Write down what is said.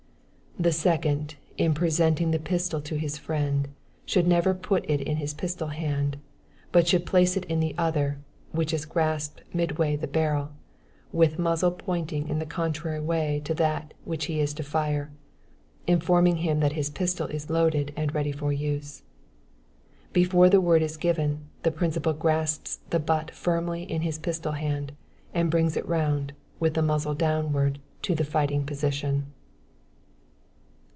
The second, in presenting the pistol to his friend, should never put it in his pistol hand, but should place it in the other, which is grasped midway the barrel, with muzzle pointing in the contrary way to that which he is to fire, informing him that his pistol is loaded and ready for use. Before the word is given, the principal grasps the butt firmly in his pistol hand, and brings it round, with the muzzle downward, to the fighting position.